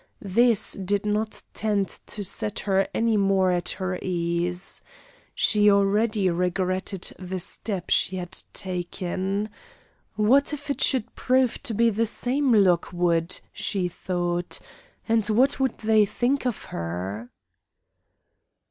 This did not tend to set her any more at her ease. She already regretted the step she had taken. What if it should prove to be the same Lockwood, she thought, and what would they think of her?